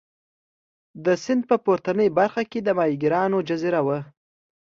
د سیند په پورتنۍ برخه کې د ماهیګیرانو جزیره وه.